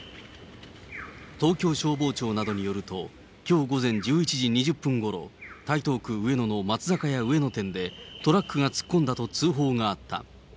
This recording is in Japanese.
東京消防庁などによると、きょう午前１１時２０分ごろ、台東区上野の松坂屋上野店でトラックが突っ込んだと通報があった。